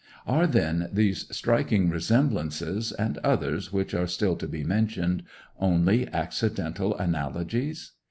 Are, then, these striking resemblances, and others which are still to be mentioned, only accidental analogies?